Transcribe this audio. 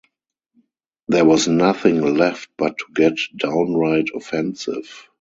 There was nothing left but to get downright offensive.